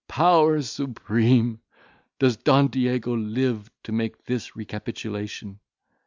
Powers supreme! does Don Diego live to make this recapitulation?